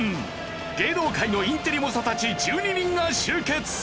芸能界のインテリ猛者たち１２人が集結！